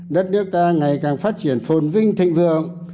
đất nước ta ngày càng phát triển phồn vinh thịnh vượng